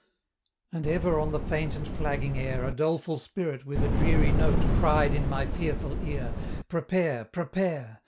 "And ever on the faint and flagging air A doleful spirit with a dreary note Cried in my fearful ear, 'Prepare! prepare!'